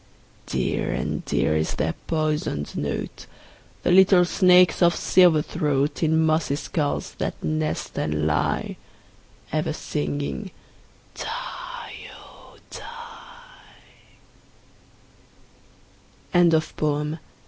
Dear and dear is their poisoned note, The little snakes' of silver throat, In mossy skulls that nest and lie, Ever singing "die, oh!